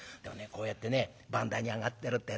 こうやってね番台に上がってるってえとね